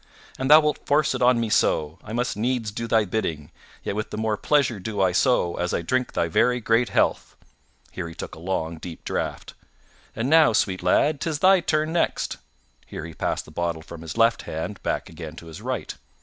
An thou wilt force it on me so, I must needs do thy bidding, yet with the more pleasure do I so as I drink thy very great health (here he took a long, deep draught). And now, sweet lad, 'tis thy turn next (here he passed the bottle from his left hand back again to his right).